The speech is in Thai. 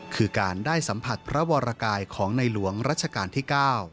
คือการได้สัมผัสพระวรกายของในหลวงรัชกาลที่๙